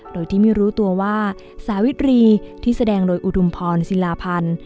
โดยที่ไม่รู้ตัวว่าสาวิตรีที่แสดงโดยอุดมพรศิลาพันธ์